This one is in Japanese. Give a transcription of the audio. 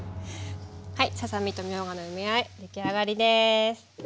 はいささ身とみょうがの梅あえ出来上がりです！